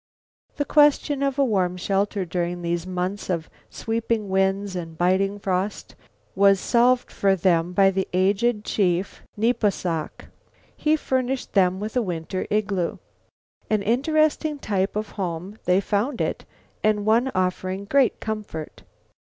The question of a warm shelter during these months of sweeping winds and biting frost was solved for them by the aged chief Nepos sok. He furnished them with a winter igloo. An interesting type of home they found it and one offering great comfort.